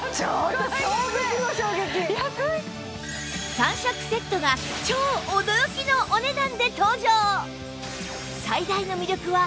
３色セットが超驚きのお値段で登場！